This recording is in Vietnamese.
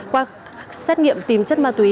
qua xét nghiệm tìm chất ma túy